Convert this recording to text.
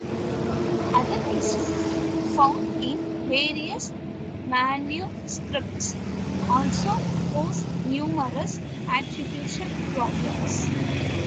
Other pieces, found in various manuscripts, also pose numerous attribution problems.